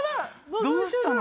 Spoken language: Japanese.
どうしたの？